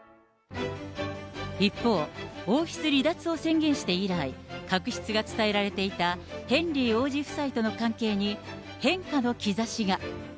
一方、王室離脱を宣言して以来、確執が伝えられていたヘンリー王子夫妻との関係に、変化の兆しが。